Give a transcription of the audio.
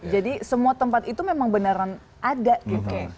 jadi semua tempat itu memang beneran ada gitu ya